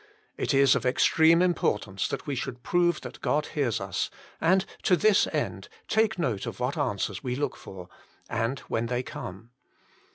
It is of extreme importance that we should prove that God hears us, and to this end take note of what answers we look for, and when they come.